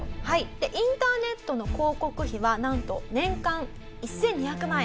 でインターネットの広告費はなんと年間１２００万円。